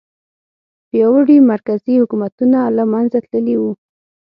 پیاوړي مرکزي حکومتونه له منځه تللي وو.